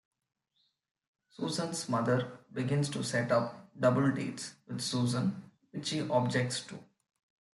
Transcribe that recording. Susan's mother begins to set up double dates with Susan which she objects to.